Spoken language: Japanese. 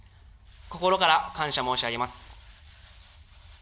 心から感謝申し上げます。